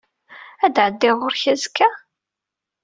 Ad d-ɛeddiɣ ɣur-k azekka?